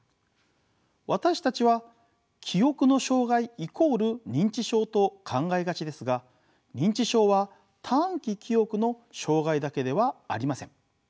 私たちは記憶の障害イコール認知症と考えがちですが認知症は短期記憶の障害だけではありません。